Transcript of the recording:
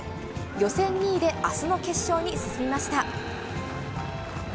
予選２位であすの決勝に進みました。